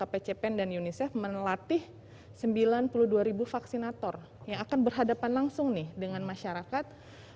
kemenkes juga sama kpcpen dan unicef melatih sembilan puluh dua vaksinator yang akan berhadapan langsung nih dengan masyarakat